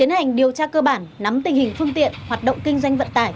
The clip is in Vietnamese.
hình phương tiện hoạt động kinh doanh vận tải